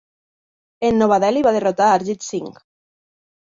En Nova Delhi va derrotar Arjit Singh.